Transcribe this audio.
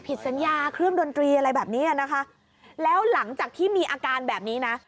ผิดสัญญาเครื่องดนตรีอะไรแบบนี้อ่ะนะคะแล้วหลังจากที่มีอาการแบบนี้นะ